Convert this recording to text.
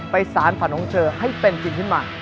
ไปสารฝันของเธอให้เป็นจินทิมมา